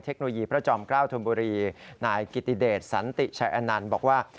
เทคโนโลยีพระจอมเกล้าธนบุรีนายกิติเดชสันติชัยอนันต์บอกว่า